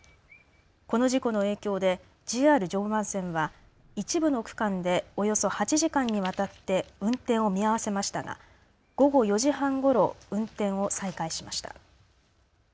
この事故の影響でＪＲ常磐線は一部の区間でおよそ８時間にわたって運転を見合わせましたが午後４時半ごろ、運転を再開しました。